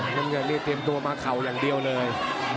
น้ำเงินนี่เตรียมตัวมาเข่าอย่างเดียวเลย